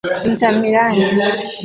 Inter Milan